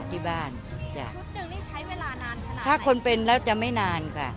ที่บ้านจ้ะชุดหนึ่งนี่ใช้เวลานานขนาดถ้าคนเป็นแล้วจะไม่นานค่ะ